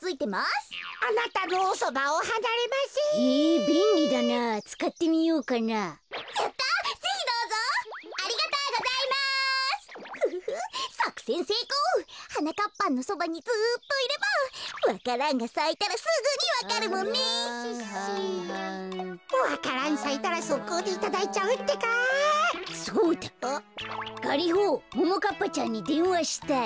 ガリホももかっぱちゃんにでんわしたい。